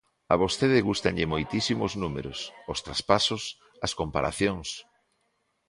A vostede gústanlle moitísimo os números, os traspasos, as comparacións.